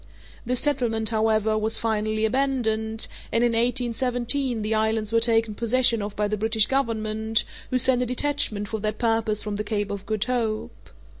This settlement, however, was finally abandoned, and in 1817 the islands were taken possession of by the British Government, who sent a detachment for that purpose from the Cape of Good Hope.